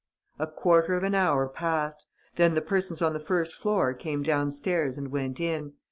A quarter of an hour passed. Then the persons on the first floor came downstairs and went in.